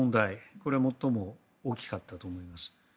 これは最も大きかったと思います。